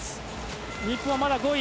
日本はまだ５位。